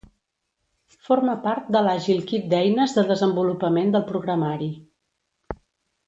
Forma part de l'àgil kit d'eines de desenvolupament del programari.